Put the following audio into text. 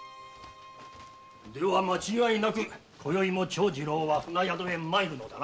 では間違いなく今宵も長次郎は船宿へ参るのだな。